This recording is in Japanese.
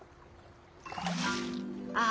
あ。